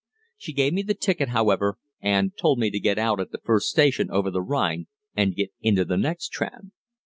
She gave me the ticket, however, and told me to get out at the first station over the Rhine and get into the next tram.